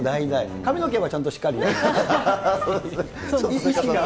髪の毛はちゃんとしっかり。